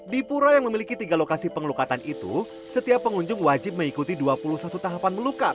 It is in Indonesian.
di pura yang memiliki tiga lokasi pengelukatan itu setiap pengunjung wajib mengikuti dua puluh satu tahapan melukat